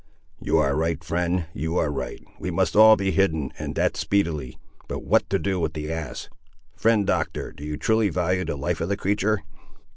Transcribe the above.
You are right, friend, you are right; we must all be hidden, and that speedily. But what to do with the ass! Friend Doctor, do you truly value the life of the creatur'?"